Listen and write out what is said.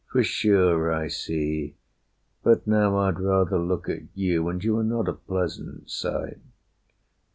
For sure I see; but now I'd rather look At you, and you are not a pleasant sight.